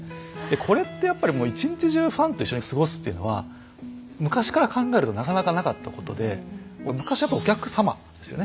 これってやっぱりもう一日中ファンと一緒に過ごすというのは昔から考えるとなかなかなかったことで昔はやっぱり「お客様」ですよね。